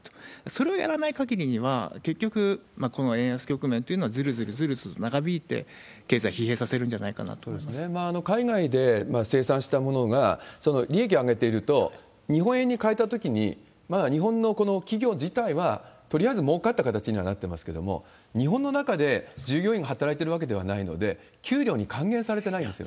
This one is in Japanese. それをやらない限りは、結局、この円安局面というのはずるずるずるずる長引いて経済を疲弊させ海外で生産したものが、利益を上げていると、日本円に換えたときに、日本の企業自体はとりあえずもうかった形にはなってますけれども、日本の中で従業員が働いてるわけではないので、そうなんです。